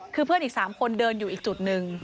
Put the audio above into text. คือเพื่อนอีก๓คนเดินอยู่อีกจุดหนึ่ง